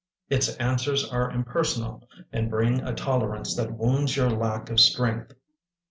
Its answers are impersonal and bring A tolerance that wounds your lack of strength.